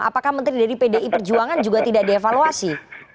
apakah menteri dari pdi perjuangan juga tidak dievaluasi